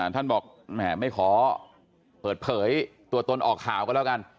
ท่านบอกแหมไม่ขอเปิดเผยตัวตนออกข่าวก็แล้วกัน